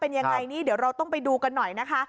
เป็นยังไงนี่เดี๋ยวเราต้องไปดูกันหน่อยนะคะ